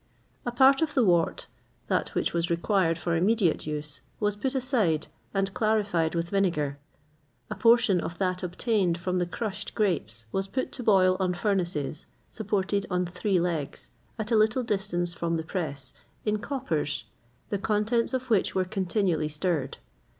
[XXVIII 56] A part of the wort that which was required for immediate use was put aside, and clarified with vinegar.[XXVIII 57] A portion of that obtained from the crushed grapes was put to boil on furnaces, supported on three legs, at a little distance from the press, in coppers, the contents of which were continually stirred.